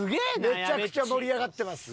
めちゃくちゃ盛り上がってます。